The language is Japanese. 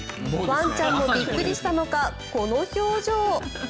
ワンちゃんもびっくりしたのか、この表情。